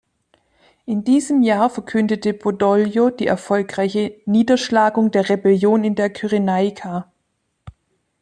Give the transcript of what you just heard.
In diesem Jahr verkündete Badoglio die erfolgreiche "„Niederschlagung der Rebellion in der Kyrenaika“".